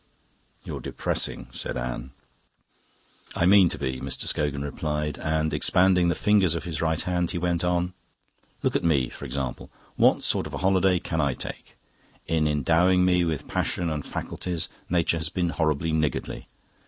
"You're depressing," said Anne. "I mean to be," Mr. Scogan replied, and, expanding the fingers of his right hand, he went on: "Look at me, for example. What sort of a holiday can I take? In endowing me with passions and faculties Nature has been horribly niggardly.